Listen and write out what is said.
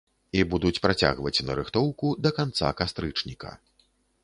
І будуць працягваць нарыхтоўку да канца кастрычніка.